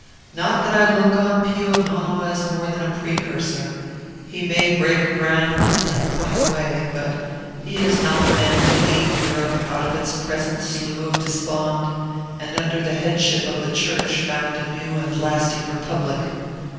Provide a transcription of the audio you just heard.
Not that I look on Pio Nono as more than a precursor; he may break ground, and point the way, but he is not the man to lead Europe out of its present slough of despond, and under the headship of the Church found a new and lasting republic.